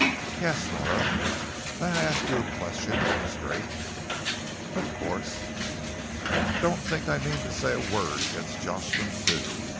"Yes, Nora?" "May I ask you a question straight?" "Of course!" "Don't think I mean to say a word against Jocelyn Thew.